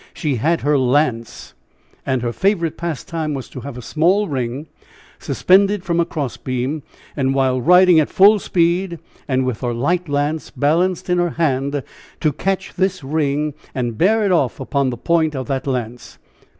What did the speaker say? She had her lance. And, her favorite pastime was to have a small ring suspended from a crossbeam, and while riding at full speed, with her light lance balanced in her hand, to catch this ring and bear it off upon the point of that lance.